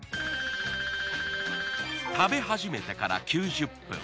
食べ始めてから９０分。